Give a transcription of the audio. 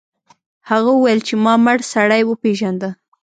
هغه وویل چې ما مړ سړی وپیژنده.